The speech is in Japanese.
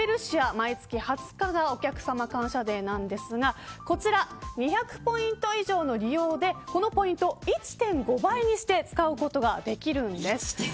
毎月２０日がお客様感謝デーなんですがこちら２００ポイント以上の利用でこのポイントを１．５倍にして使うことができるんです。